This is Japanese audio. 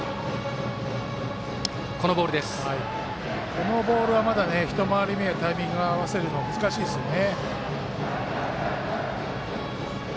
このボールは１回り目でタイミングを合わせるの、難しいですよね。